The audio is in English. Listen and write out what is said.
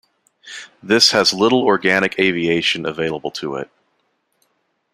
This has little organic aviation available to it.